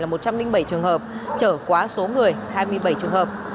là một trăm linh bảy trường hợp trở quá số người hai mươi bảy trường hợp